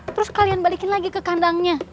terus kalian balikin lagi ke kandangnya